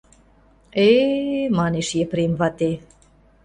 — Э-э, — манеш Епрем вате.